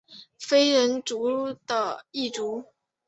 非人者的一族。